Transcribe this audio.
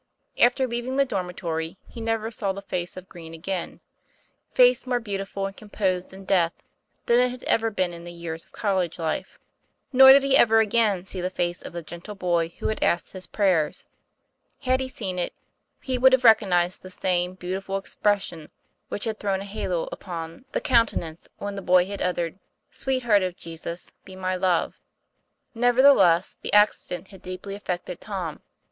After leaving the dormitory, he never saw the face of Green again, face more beautiful and composed in death than it had ever been in the years of col lege life. Nor did he ever again see the face of the gentle boy who had asked his prayers. Had he seen it, he would have recognized the same beautiful expression which had thrown a halo upon the coun TOM PLAYFAIR. tenance when the boy had uttered " Sweet Heart of Jesus, be my Love." Nevertheless, the accident had deeply affected Tom.